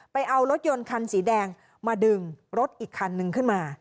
ไปเอารถยนต์คันสีแดงมาดึงรถอีกคันนึงขึ้นมา